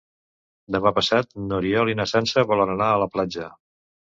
Demà passat n'Oriol i na Sança volen anar a la platja.